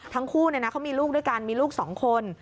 ทั้งคู่เขามีลูกด้วยกันมีลูก๒คน